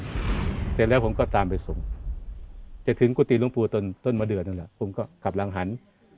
เสร็จแล้วผมก็ตามไปส่งจนถึงกุฏิลุงปู่ต้นเมื่อเดือนนึงแหละผมก็กลับล่างหัน